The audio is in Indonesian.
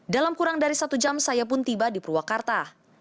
dalam kurang dari satu jam saya pun tiba di purwakarta